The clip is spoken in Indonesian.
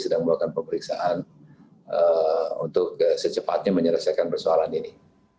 sedang melakukan pemeriksaan untuk secepatnya menyelesaikan persoalan ini